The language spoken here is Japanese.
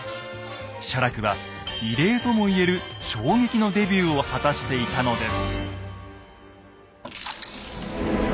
写楽は異例とも言える衝撃のデビューを果たしていたのです。